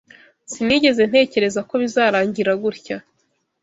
Sinigeze ntekereza ko bizarangira gutya.